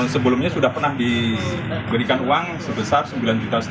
sebelumnya sudah pernah diberikan uang sebesar rp sembilan lima ratus